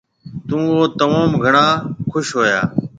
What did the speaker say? تو او تموم گھڻا خُوش ھويا